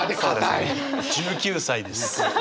１９歳です。